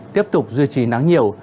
tiếp tục duy trì nắng nhiều